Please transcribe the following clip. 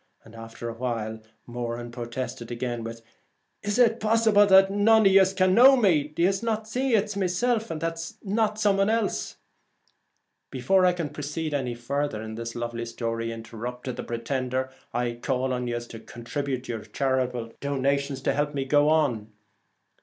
After a while Moran The Last Gleeman. protested again with :' Is it possible that none of yez can know me ? Don't yez see it's myself ; and that's some one else ?' 4 Before I can proceed any further in this lovely story,' interrupted the pretender, ' I call on yez to contribute your charitable donations to help me to go on.'